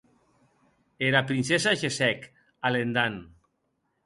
Era Princesa gessec, alendant.